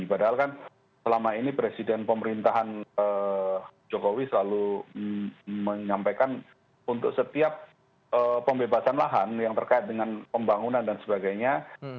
padahal kan selama ini presiden pemerintahan jokowi selalu menyampaikan untuk setiap pembebasan lahan yang terkait dengan pembangunan dan sebagainya